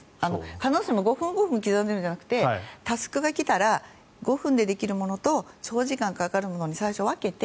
必ずしも５分、５分で刻んでいるわけじゃなくてタスクができたら５分でできるものと長時間かかるものに最初、分けて。